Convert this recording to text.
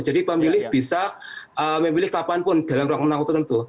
jadi pemilih bisa memilih kapanpun dalam rentang waktu tertentu